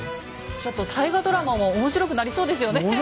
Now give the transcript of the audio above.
ちょっと大河ドラマも面白くなりそうですよね。